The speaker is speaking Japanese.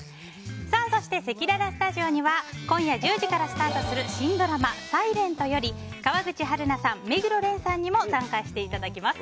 そして、せきららスタジオには今夜１０時からスタートする新ドラマ「ｓｉｌｅｎｔ」より川口春奈さん、目黒蓮さんにも参加していただきます。